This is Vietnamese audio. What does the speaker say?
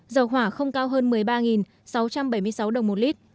dầu hỏa không cao hơn một mươi ba sáu trăm bảy mươi sáu đồng một lít